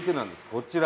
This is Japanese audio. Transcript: こちら。